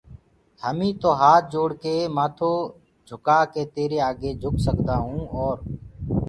هميٚ تو هآت جوڙّڪي مآٿو جھڪآڪي تيري آگي جھڪ سگدآئو اور